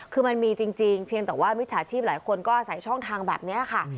คือมันมีจริงเพียงแต่ว่ามิจฉาชีพหลายคนก็อาศัยช่องทางแบบนี้ค่ะ